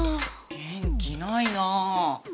元気ないなあ。